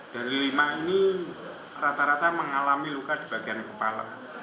dari lima ini rata rata mengalami luka di bagian kepala